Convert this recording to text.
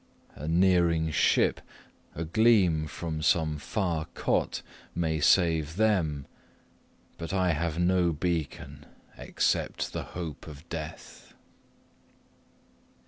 A nearing ship, a gleam from some far cot, may save them; but I have no beacon except the hope of death.